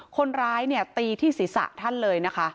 คนร้ายตีที่ศีรษะท่านเลย